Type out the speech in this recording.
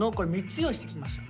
３つ用意してきました。